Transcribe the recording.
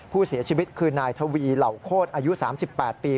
ผู้เสียชีวิตคือนายทวีเหล่าโคตรอายุ๓๘ปี